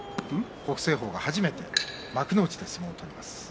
北青鵬が初めて幕内で相撲を取ります。